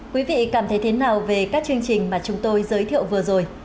quý vị cảm thấy thế nào về các chương trình mà chúng tôi giới thiệu vừa rồi